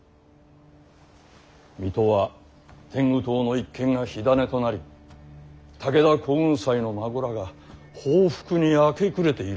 水戸は天狗党の一件が火種となり武田耕雲斎の孫らが報復に明け暮れているという。